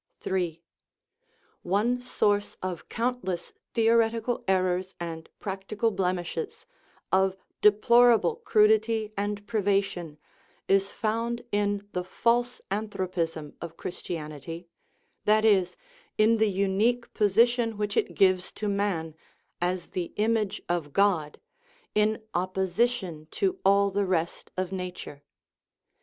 III. One source of countless theoretical errors and practical blemishes, of deplorable crudity and privation, is found in the false anthropism of Christianity that is, in the unique position which it gives to man, as the image of God, in opposition to all the rest of nature.